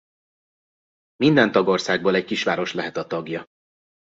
Minden tagországból egy kisváros lehet a tagja.